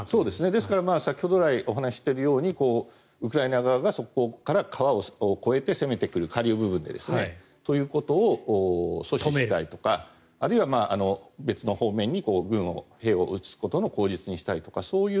ですから、先ほど来お話ししているようにウクライナ側がそこから川を越えて攻めてくる下流部分でですねそれを阻止したいとかあるいは別の方面に軍、兵を移すことの口実にしたいとか。